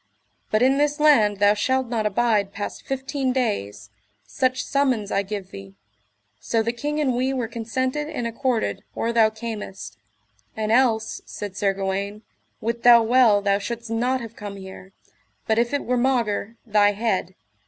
But in this land thou shalt not abide past fifteen days, such summons I give thee: so the king and we were consented and accorded or thou camest. And else, said Sir Gawaine, wit thou well thou shouldst not have come here, but if it were maugre thy head.